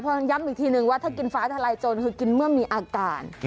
พอย้ำอีกทีนึงว่าถ้ากินฟ้าทลายโจรคือกินเมื่อมีอาการ